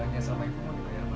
banyak sama yang mau dibayar mak